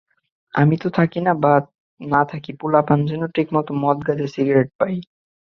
আমি থাকি বা না থাকি পোলাপান যেন ঠিকমতো মদ, গাঁজা, সিগারেট পায়।